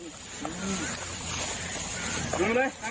ลงไม่เป็นไรผมจะมองใหม่